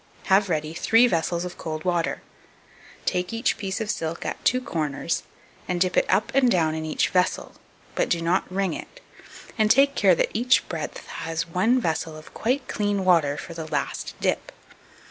Have ready three vessels of cold water; take each piece of silk at two corners, and dip it up and down in each vessel, but do not wring it; and take care that each breadth has one vessel of quite clean water for the last dip.